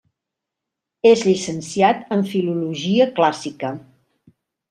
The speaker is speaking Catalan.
És llicenciat en Filologia clàssica.